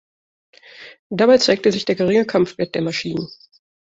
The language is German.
Dabei zeigte sich der geringe Kampfwert der Maschinen.